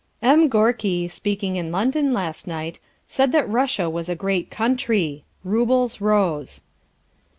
"M. Gorky, speaking in London last night, said that Russia was a great country. Roubles rose."